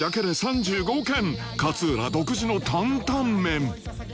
勝浦独自のタンタンメン